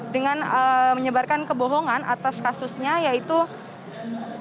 dengan menyebarkan kebohongan atas kasusnya yaitu rizik syihab menyinggung atau menuding bima arya yaitu wali kota dari bogor